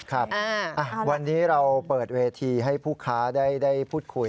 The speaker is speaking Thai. ครับวันนี้เราเปิดเวทีให้ผู้ค้าได้พูดคุย